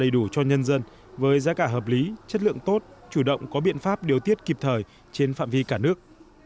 đủ cho nhân dân với giá cả hợp lý chất lượng tốt chủ động có biện pháp điều tiết kịp thời trên phạm vi cả nước